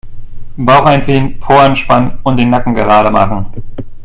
Bauch einziehen, Po anspannen und den Nacken gerade machen.